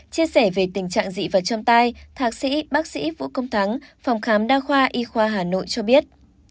chia sẻ về tình trạng dị vật châm tai thạc sĩ bác sĩ vũ công thắng phòng khám đa khoa y khoa hà nội cho biết